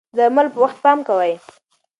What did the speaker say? د درملو په وخت پام کوئ.